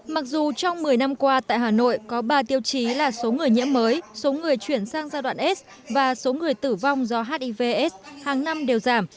mặc dù trong một mươi năm qua tại hà nội có ba tiêu chí là số người nhiễm mới số người chuyển sang giai đoạn s và số người tử vong do hiv s hàng năm đều giảm